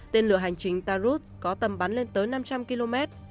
tên lửa hành trình taurus có tầm bắn lên tới năm trăm linh km